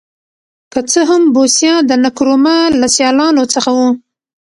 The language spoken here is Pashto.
که څه هم بوسیا د نکرومه له سیالانو څخه و.